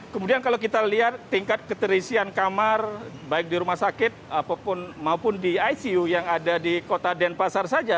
kemudian kalau kita lihat tingkat keterisian kamar baik di rumah sakit maupun di icu yang ada di kota denpasar saja